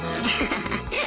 ハハハッ。